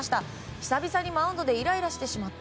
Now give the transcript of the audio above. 久々にマウンドでイライラしてしまった。